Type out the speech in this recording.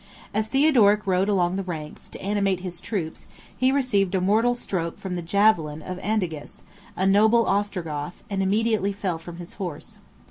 As Theodoric rode along the ranks, to animate his troops, he received a mortal stroke from the javelin of Andages, a noble Ostrogoth, and immediately fell from his horse.